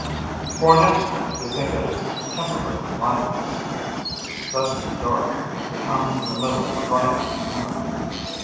_ For an instant you think it is temporary blindness, this sudden dark that comes in the middle of a bright afternoon.